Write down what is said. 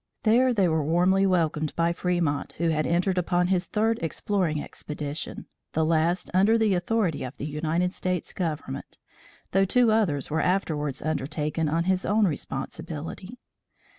There they were warmly welcomed by Fremont, who had entered upon his third exploring expedition, the last under the authority of the United States government, though two others were afterwards undertaken on his own responsibility.